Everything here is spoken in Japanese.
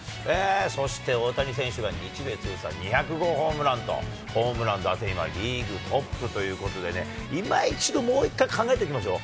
そして大谷選手が日米通算２００号ホームランと、ホームラン、打点はリーグトップということでね、今一度、もう一回、考えてみましょう。